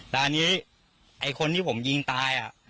ตอนนี้ไอคนที่ผมยิงตายอ่ะ